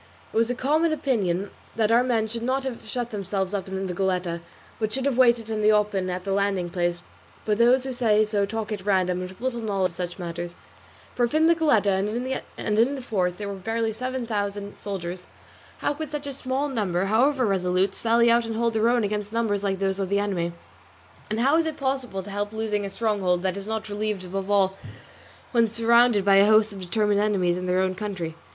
It was a common opinion that our men should not have shut themselves up in the Goletta, but should have waited in the open at the landing place; but those who say so talk at random and with little knowledge of such matters; for if in the Goletta and in the fort there were barely seven thousand soldiers, how could such a small number, however resolute, sally out and hold their own against numbers like those of the enemy? And how is it possible to help losing a stronghold that is not relieved, above all when surrounded by a host of determined enemies in their own country?